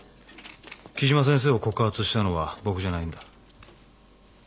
木島先生を告発したのは僕じゃないんだ。